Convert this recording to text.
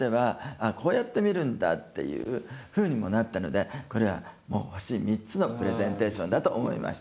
あこうやって見るんだっていうふうにもなったのでこれはもう星３つのプレゼンテーションだと思いました。